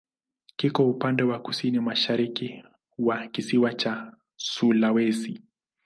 Kiko upande wa kusini-mashariki wa kisiwa cha Sulawesi.